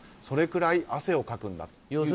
それぐらい汗をかくんだと。